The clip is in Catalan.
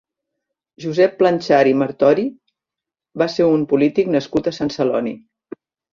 Josep Planchart i Martori va ser un polític nascut a Sant Celoni.